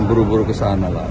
juga buru buru ke sana lah